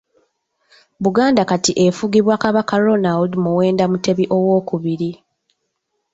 Buganda Kati efugibwa Kabaka Ronald Muwenda Mutebi owokubiri.